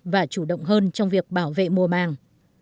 và chủ động hơn trong việc bảo vệ mùa màng